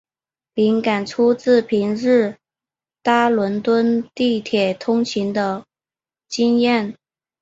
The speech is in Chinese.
灵感出自平日搭伦敦地铁通勤的经验。